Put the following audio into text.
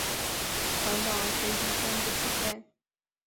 船长随即宣布弃舰。